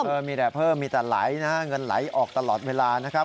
เออมีแต่เพิ่มมีแต่ไหลนะเงินไหลออกตลอดเวลานะครับ